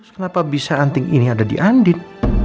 kenapa bisa anting ini ada di andit